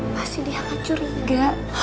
pasti dia akan curiga